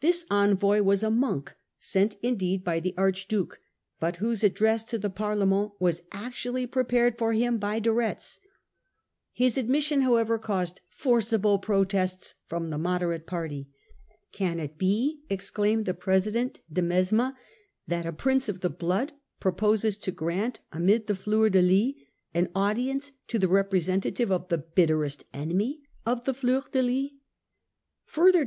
This envoy was a monk, sent indeed by the archduke, but whose address to the Parlement was actually prepared for him by De Retz. His admission however roused forcible protests from the moderate party. ' Can it be,* exclaimed the president de Mesmes, ' that a Prince of the blood proposes to grant, amid the fleurs de lis , an audience to the representative of the bitterest enemy of the fleur de lis?